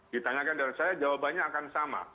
ditanyakan dari saya jawabannya akan sama